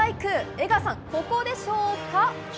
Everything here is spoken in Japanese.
江川さん、ここでしょうか？